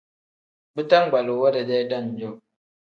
Bitangbaluu we dedee dam-jo.